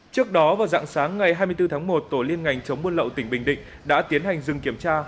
trước đó vào dạng sáng ngày hai mươi bốn tháng một tổ liên ngành chống buôn lậu tỉnh bình định đã tiến hành dừng kiểm tra